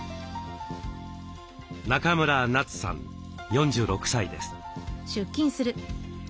中村奈都さん４６歳です。